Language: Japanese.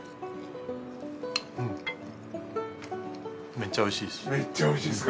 めっちゃ美味しいですか。